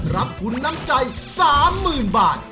รับทุนน้ำใจ๓๐๐๐บาท